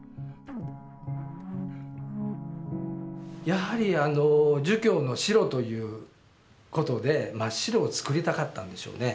やはり儒教の白という事で真っ白を作りたかったんでしょうね。